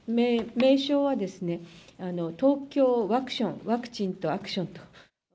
名称はですね、ＴＯＫＹＯワクション、ワクチンとアクションと。